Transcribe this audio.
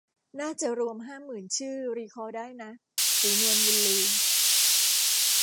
น่าจะรวมห้าหมื่นชื่อรีคอลได้นะ ศรีนวลบุญลือ